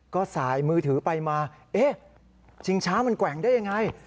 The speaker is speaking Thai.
ก็สายมือถือไปมาเอ๊ะชิงช้ามันแกว่งได้ยังไง